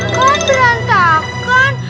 tuh kan berantakan